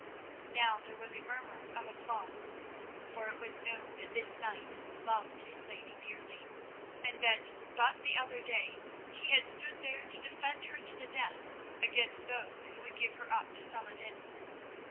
Now there was a murmur of applause. For it was known that this knight loved his lady dearly, and that but the other day he had stood there to defend her to the death against those who would give her up to Saladin.